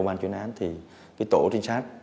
bốn đứa con